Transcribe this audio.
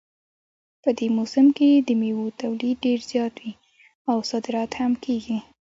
په دې موسم کې د میوو تولید ډېر زیات وي او صادرات هم کیږي